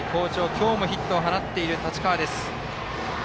今日もヒットを放っている太刀川。